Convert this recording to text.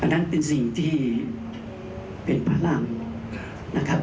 นั้นเป็นสิ่งที่เป็นพลังนะครับ